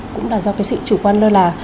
cũng là do cái sự chủ quan lơ là